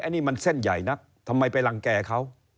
แอ้นี่มันเส้นใหญ่นะทำไมไปหลังแก่เขา